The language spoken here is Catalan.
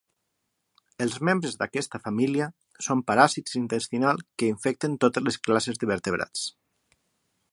Els membres d'aquesta família són paràsits intestinals que infecten totes les classes de vertebrats.